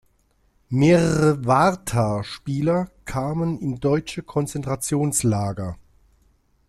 Mehrere "Warta"-Spieler kamen in deutsche Konzentrationslager.